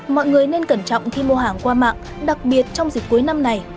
mọi người nên cẩn trọng khi mua hàng qua mạng đặc biệt trong dịp cuối năm này